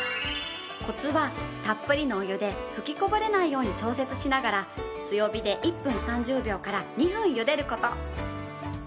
コツはたっぷりのお湯で吹きこぼれないように調節しながら強火で１分３０秒から２分ゆでる事。